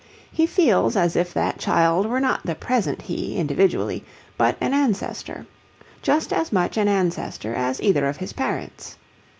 He feels as if that child were not the present he, individually, but an ancestor; just as much an ancestor as either of his parents.